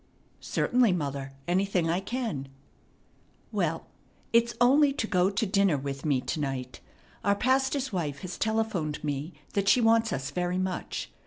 "Certainly, mother, anything I can." "Well, it's only to go to dinner with me to night. Our pastor's wife has telephoned me that she wants us very much.